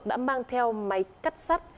đã mang theo máy cắt sắt